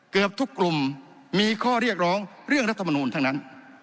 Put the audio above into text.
เกือบทุกกลุ่มมีข้อเรียกร้องเรื่องรัฐมนูลทั้งนั้น